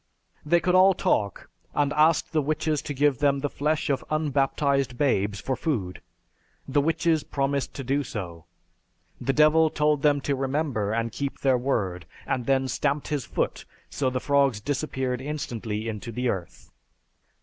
They could all talk, and asked the witches to give them the flesh of unbaptized babes for food. The witches promised to do so. The Devil told them to remember and keep their word and then stamped his foot, and the frogs disappeared instantly into the earth.